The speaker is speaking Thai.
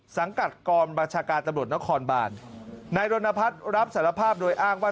สังกัดกองบัญชาการตำรวจนครบานนายรณพัฒน์รับสารภาพโดยอ้างว่า